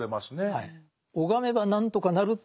はい。